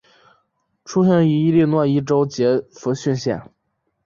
出生于伊利诺伊州杰佛逊县。